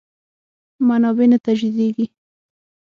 منابع نه تجدیدېږي.